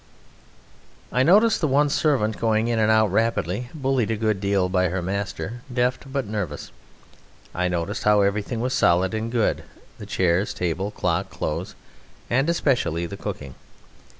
I noticed the one servant going in and out rapidly, bullied a good deal by her master, deft but nervous. I noticed how everything was solid and good: the chairs, table, clock, clothes and especially the cooking.